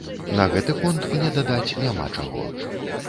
На гэты конт мне дадаць няма чаго.